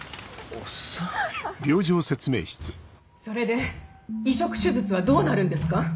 それで移植手術はどうなるんですか？